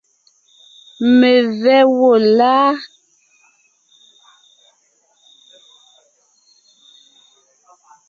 Mevɛ́ gwɔ́ láa?